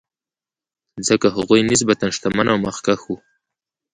ځکه هغوی نسبتا شتمن او مخکښ وو.